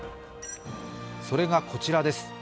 それがこちらです。